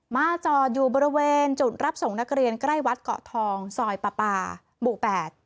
จอดอยู่บริเวณจุดรับส่งนักเรียนใกล้วัดเกาะทองซอยปาปาหมู่๘